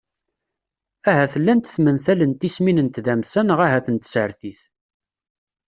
Ahat llant tmental n tismin n tdamsa neɣ ahat n tsertit.